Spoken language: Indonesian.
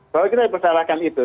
kalau kita dipersalahkan itu